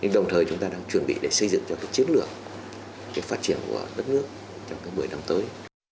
đồng thời chúng ta đang chuẩn bị để xây dựng cho chiến lược phát triển của đất nước trong một mươi năm tới